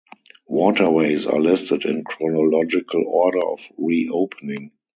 Waterways are listed in chronological order of re-opening.